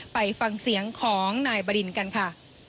ไปฟังเสียงของนายบรินกันค่ะ